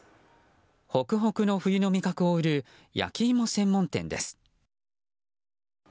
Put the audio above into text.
ホクホクの冬の味覚を売る焼き芋専門店です。